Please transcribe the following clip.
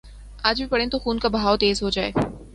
آج بھی پڑھیں تو خون کا بہاؤ تیز ہو جائے۔